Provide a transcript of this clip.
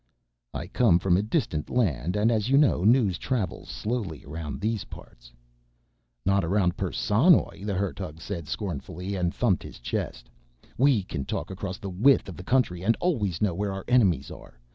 "I come from a distant land and as you know news travels slowly around these parts." "Not around the Perssonoj," the Hertug said scornfully and thumped his chest. "We can talk across the width of the country and always know where our enemies are.